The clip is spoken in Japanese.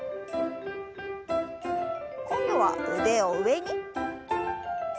今度は腕を上に。